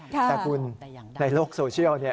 แต่คุณในโลกโซเชียล